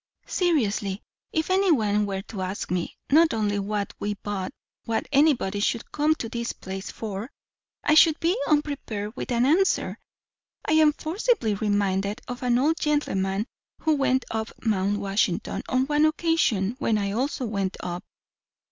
"Seriously. If any one were to ask me, not only what we but what anybody should come to this place for, I should be unprepared with an answer. I am forcibly reminded of an old gentleman who went up Mount Washington on one occasion when I also went up.